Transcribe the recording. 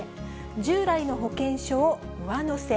従来の保険証上乗せ。